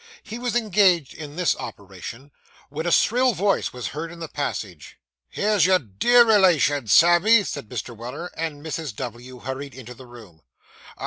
He was engaged in this operation, when a shrill voice was heard in the passage. 'Here's your dear relation, Sammy,' said Mr. Weller; and Mrs. W. hurried into the room.